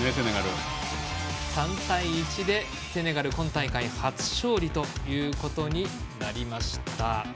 ３対１でセネガル今大会初勝利ということになりました。